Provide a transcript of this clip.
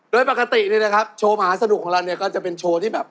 โดยปกติเนี่ยนะครับโชว์มหาสนุกของเราเนี่ยก็จะเป็นโชว์ที่แบบ